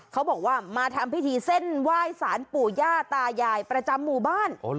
เขาบอกว่ามาทำพิธีเส้นไหว้สารปู่ย่าตายายประจำหมู่บ้าน